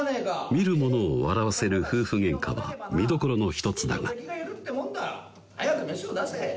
見る者を笑わせる夫婦げんかは見どころの一つだが「早く飯を出せ！」